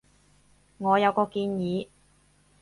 我有個建議